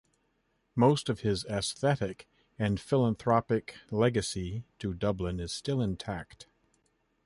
Most of his aesthetic and philanthropic legacy to Dublin is still intact.